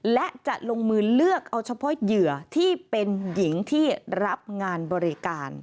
และจะลงมือเลือกเอาเฉพาะเหยื่อที่เป็นหญิงที่รับงานบริการ